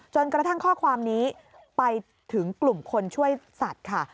กระทั่งข้อความนี้ไปถึงกลุ่มคนช่วยสัตว์ค่ะ